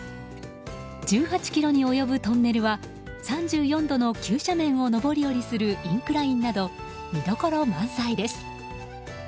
１８ｋｍに及ぶトンネルは３４度の急斜面を上り下りするインクラインなど見どころ満載です。